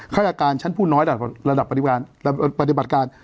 ฆาตการชั้นผู้น้อยระดับปฏิบัติการ